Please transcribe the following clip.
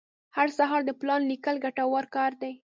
هر سهار د پلان لیکل ګټور کار دی.